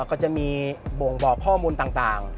ก็จะมีบ่งบอกข้อมูลต่าง